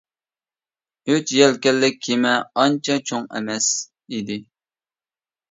ئۈچ يەلكەنلىك كېمە ئانچە چوڭ ئەمەس ئىدى.